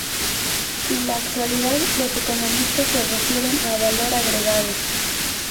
En la actualidad los economistas se refieren a valor agregado.